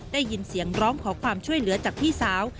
ได้ยินเสียงร้องขอความช่วยเหลือจากพี่สาว